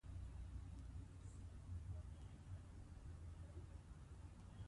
تاسو کولای سئ د څپو شمېر وشمېرئ.